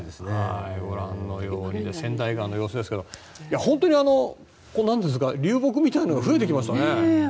ご覧のように川内川の様子ですが本当に流木みたいなのが増えてきましたね。